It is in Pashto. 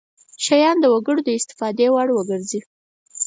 شیان د وګړو د استفادې وړ وګرځي.